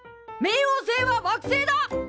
冥王星は惑星だ！